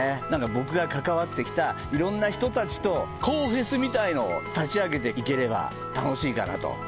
何か僕が関わってきたいろんな人たちとＫＯＯフェスみたいのを立ち上げていければ楽しいかなと。